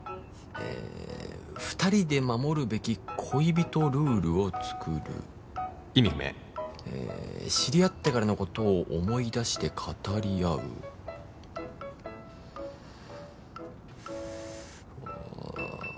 「２人で守るべき恋人ルールを作る」意味不明「知り合ってからのことを思い出して語り合う」ああ。